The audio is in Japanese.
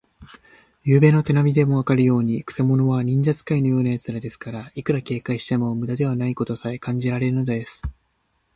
ゆうべの手なみでもわかるように、くせ者は忍術使いのようなやつですから、いくら警戒してもむだではないかとさえ感じられるのです。